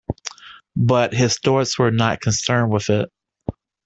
But his thoughts were not concerned with it.